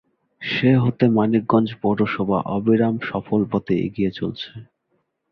সে হতে মানিকগঞ্জ পৌরসভা অবিরাম সফল পথে এগিয়ে চলছে।